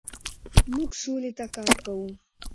موږ سولې ته کار کوو.